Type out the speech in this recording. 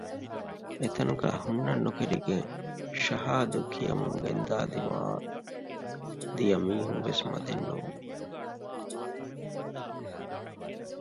އެތަނުގައި ހުންނަން ނުކެރިގެން ޝަހާދު ކިޔަމުން ގެޔާ ދިމާއަށް ދިޔަ މީހުންވެސް މަދެއް ނޫން